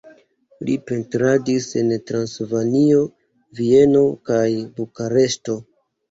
Li pentradis en Transilvanio, Vieno kaj Bukareŝto.